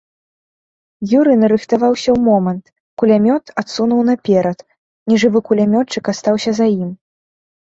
Юры нарыхтаваўся ў момант, кулямёт адсунуў наперад, нежывы кулямётчык астаўся за ім.